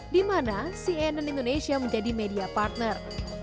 di mana cnn indonesia menjadi media partner